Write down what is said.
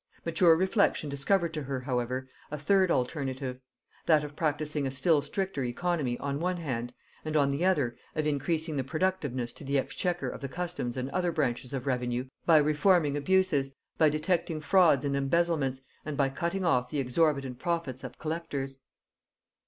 Mature reflection discovered to her, however, a third alternative; that of practising a still stricter oeconomy on one hand, and on the other, of increasing the productiveness to the exchequer of the customs and other branches of revenue, by reforming abuses, by detecting frauds and embezzlements, and by cutting off the exorbitant profits of collectors.